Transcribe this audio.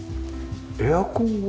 エアコンは？